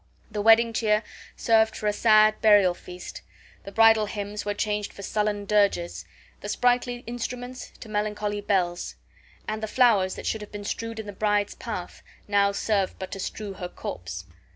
The wedding cheer served for a sad burial feast, the bridal hymns were changed for sullen dirges, the sprightly instruments to melancholy.bells, and the flowers that should have been strewed in the bride's path now served but to strew her corse.